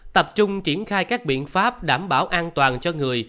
tập trung triển khai các biện pháp đảm bảo an toàn cho người